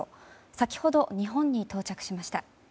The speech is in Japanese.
先ほど日本に到着しました。